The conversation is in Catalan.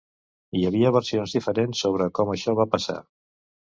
Hi ha versions diferents sobre com això va passar.